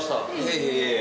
いえいえ。